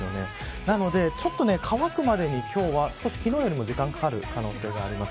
なので、乾くまでに今日は昨日よりも少し時間がかかる可能性があります。